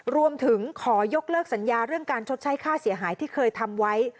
รวมถึงขอยกเลิกสัญญาเรื่องการชดใช้ค่าเสียหายที่เคยทำไว้